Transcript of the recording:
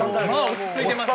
落ち着いてますね。